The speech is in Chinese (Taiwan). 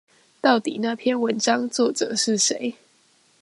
到底那篇文章作者是誰？